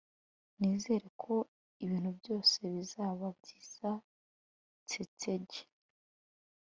Nizera ko ibintu byose bizaba byiza Tsetseg